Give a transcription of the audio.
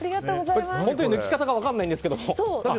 本当に抜き方が分からないんですけど。